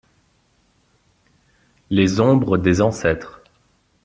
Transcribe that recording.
Les Ombres des Ancêtres.